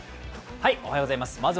おはようございます。